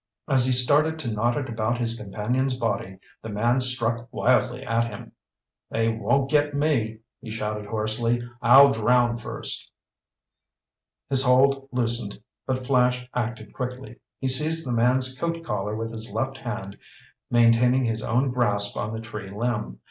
As he started to knot it about his companion's body, the man struck wildly at him. "They won't get me!" he shouted hoarsely. "I'll drown first!" His hold loosened, but Flash acted quickly. He seized the man's coat collar with his left hand, maintaining his own grasp on the tree limb.